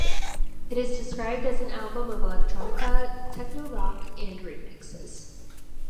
It is described as an album of electronica, techno-rock and remixes.